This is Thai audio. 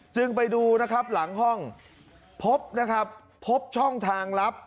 จึงไปดูนะครับหลังห้องพบนะครับพบช่องทางลับ